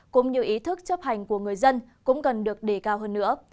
cũng như ý thức chấp hành của người dân cũng cần được đề cao hơn nữa